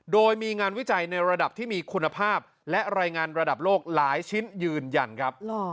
โดยมีงานวิจัยในระดับที่มีคุณภาพและรายงานระดับโลกหลายชิ้นยืนยันครับ